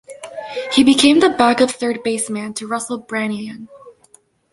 He became the backup third baseman to Russell Branyan.